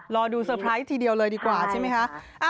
รอดูสไพรส์ทีเดียวเลยดีกว่าใช่มั้ยค่ะ